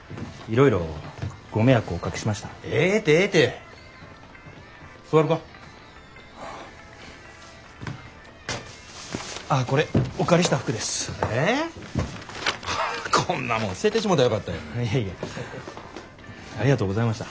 いやいやありがとうございました。